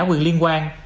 quyền liên quan